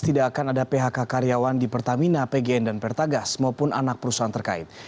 tidak akan ada phk karyawan di pertamina pgn dan pertagas maupun anak perusahaan terkait